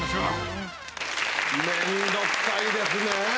面倒くさいですね！